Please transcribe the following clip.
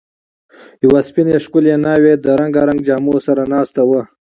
یوه سپینه، ښکلې ناوې د رنګارنګ جامو سره ناسته وه.